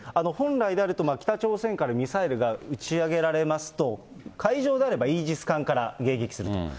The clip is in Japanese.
本来であると、北朝鮮からミサイルが打ち上げられますと、海上であればイージス艦から迎撃すると。